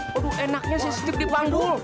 waduh enaknya sih steve di panggul